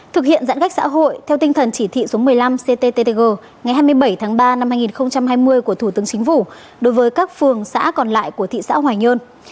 thực hiện giãn cách xã hội theo tinh thần chỉ thị số một mươi năm cttg ngày hai mươi bảy tháng ba năm hai nghìn hai mươi của thủ tướng chính phủ đối với các phường xã còn lại của thị xã hoài nhơn